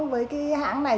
với cái hãng này